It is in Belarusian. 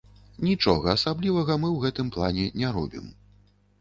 Нічога асаблівага мы ў гэтым плане не робім.